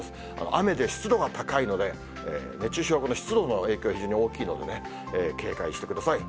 雨で湿度が高いので、熱中症、この湿度の影響が非常に大きいのでね、警戒してください。